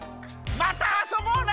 またあそぼうね！